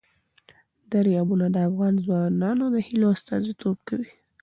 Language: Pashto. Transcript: دریابونه د افغان ځوانانو د هیلو استازیتوب کوي.